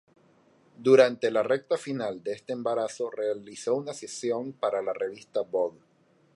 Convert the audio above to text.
Durante la recta final de este embarazo, realizó una sesión para la revista Vogue.